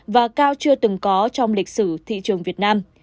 và cao chưa từng có trong lịch sử thị trường việt nam